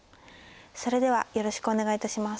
それではよろしくお願いいたします。